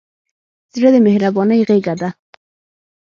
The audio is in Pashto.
زړه د مهربانۍ غېږه ده.